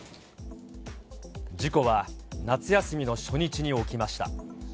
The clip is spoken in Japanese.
事故は夏休みの初日に起きました。